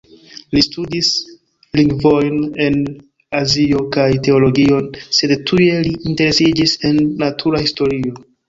Li studis lingvojn el Azio kaj teologion, sed tuje li interesiĝis en natura historio.